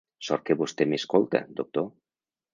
Sort que vostè m'escolta, doctor.